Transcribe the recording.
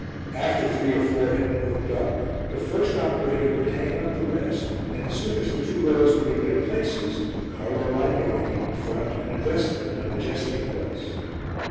After three or four had been hooked up, the first operator could hang up the rest, and as soon as the two rows were in their places Carlo Magno entered in front and addressed them in a majestic voice.